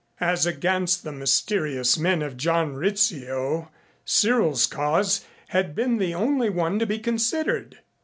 As against the mysterious men of John Rizzio Cyril's cause had been the only one to be considered.